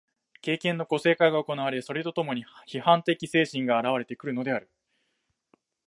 経験の個性化が行われ、それと共に批判的精神が現われてくるのである。